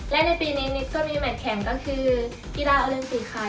และในปีนี้นิดก็มีแมทแข่งก็คือกีฬาโอลิมปิกค่ะ